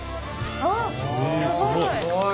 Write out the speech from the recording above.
あっすごい。